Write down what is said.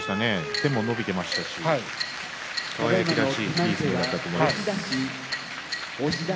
手も伸びていましたし輝らしい相撲だったと思います。